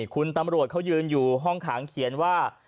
คุณตำรวจเขายืนอยู่ห้องขังเขียนว่า